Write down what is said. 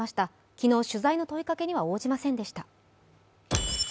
昨日、取材の問いかけには応じませんでした。